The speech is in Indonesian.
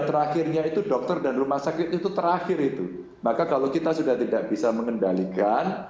terakhirnya itu dokter dan rumah sakit itu terakhir itu maka kalau kita sudah tidak bisa mengendalikan